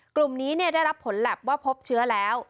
กลุ่มนี้ได้รับผลแล็บว่าพบเชื้อแล้ว